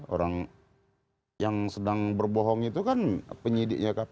orang yang sedang berbohong itu kan penyidiknya ke mn